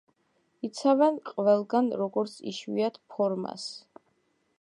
იცავენ ყველგან როგორც იშვიათ ფორმას.